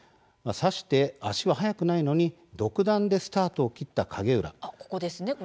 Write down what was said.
さして足は速くないのに独断でスタートを切った、景浦。